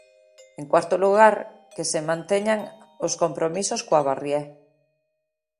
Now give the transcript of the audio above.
En cuarto lugar, que se manteñan os compromisos coa Barrié.